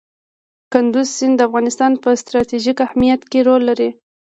کندز سیند د افغانستان په ستراتیژیک اهمیت کې رول لري.